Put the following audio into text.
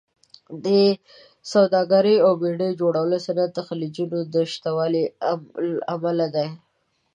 د سوداګرۍ او بېړیو جوړولو صنعت د خلیجونو د شتوالي امله دی.